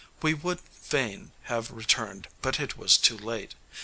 We would fain have returned, but it was too late.